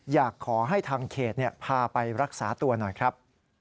อยากให้ทางเขตพาไปรักษาตัวหน่อยครับ